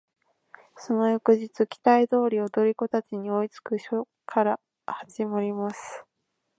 その翌日期待通り踊り子達に追いつく処から始まります。